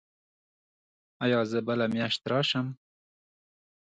ایا زه بله میاشت راشم؟